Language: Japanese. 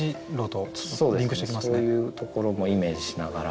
そういうところもイメージしながら作ってみた。